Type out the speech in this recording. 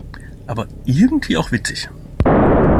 Aber irgendwie auch witzig.